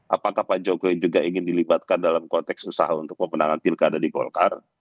apakah pak jokowi juga ingin dilibatkan dalam konteks usaha untuk pemenangan pilkada di golkar